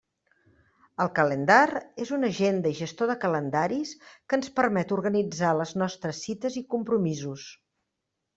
El Calendar és una agenda i gestor de calendaris que ens permet organitzar les nostres cites i compromisos.